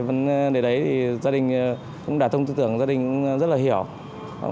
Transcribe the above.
vẫn để đấy thì gia đình cũng đã thông tư tưởng gia đình cũng rất là hiểu